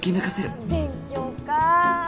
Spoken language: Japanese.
勉強か。